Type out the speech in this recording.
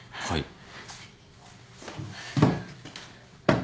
はい。